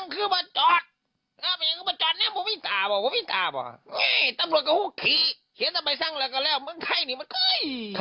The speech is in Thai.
เขาบอกว่าเออน่ะเหมือนแน่